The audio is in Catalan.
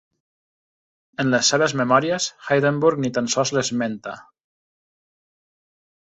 En les seves memòries, Hindenburg ni tan sols l'esmenta.